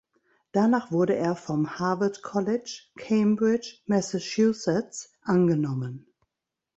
Danach wurde er vom Harvard College, Cambridge, Massachusetts angenommen.